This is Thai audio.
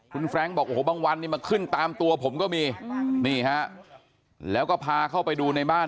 คุณแฟรงค์บอกโอ้โหบางวันนี้มาขึ้นตามตัวผมก็มีนี่ฮะแล้วก็พาเข้าไปดูในบ้าน